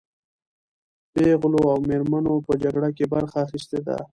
پېغلو او مېرمنو په جګړه کې برخه اخیستې ده.